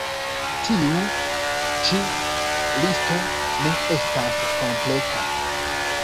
Tiu ĉi listo ne estas kompleta.